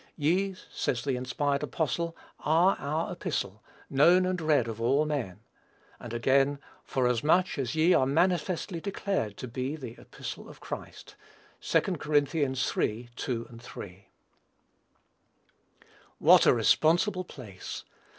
"Ye," says the inspired apostle, "are our epistle, ... known and read of all men." And again, "Forasmuch as ye are manifestly declared to be the epistle of Christ." (2 Cor. iii. 2, 3.) What a responsible place!